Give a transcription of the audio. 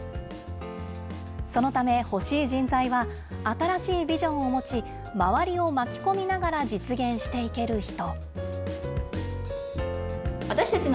そのため欲しい人材は新しいビジョンを持ち、周りを巻き込みながら実現していける人。